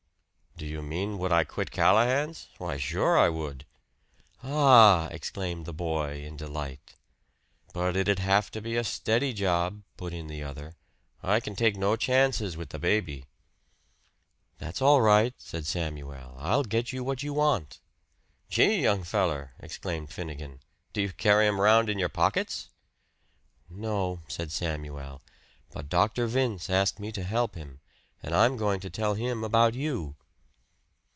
"Do you mean would I quit Callahan's? Why, sure I would." "Ah!" exclaimed the boy in delight. "But it'd have to be a steady job," put in the other. "I can take no chances with the baby." "That's all right," said Samuel. "I'll get you what you want." "Gee, young feller!" exclaimed Finnegan. "Do you carry 'em round in your pockets?" "No," said Samuel, "but Dr. Vince asked me to help him; and I'm going to tell him about you."